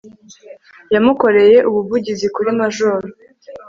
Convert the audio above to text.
yamukoreye ubuvugizi kuri majoro